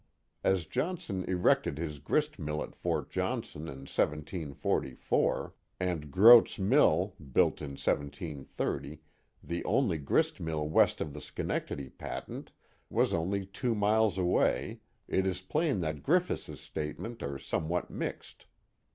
As Johnson erected his grist mill at Fort Johnson in 1744, and Groot's mill, built in 1730, the only grist mill west of the Schenectady patent, was only two miles away, it is plain that Griffis's statements are somewhat mixed.